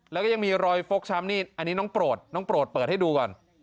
แล้วก็ยังมีรอยฟกช้ำนี่อันนี้น้องโปรดน้องโปรดเปิดให้ดูก่อน